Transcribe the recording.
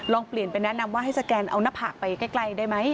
ลองเปลี่ยนไปแนะนำว่าให้สแกนเอาหน้าผากไปใกล้ได้ไหม